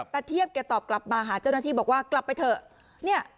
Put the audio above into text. เทียบแกตอบกลับมาหาเจ้าหน้าที่บอกว่ากลับไปเถอะเนี่ย